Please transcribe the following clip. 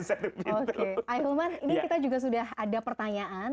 ayo ini kita juga sudah ada pertanyaan